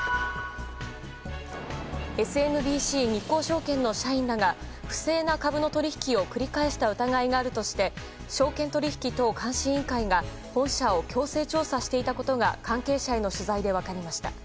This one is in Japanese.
ＳＭＢＣ日興証券の社員らが不正な株の取引を繰り返した疑いがあるとして証券取引等監視委員会が本社を強制調査していたことが関係者への取材で分かりました。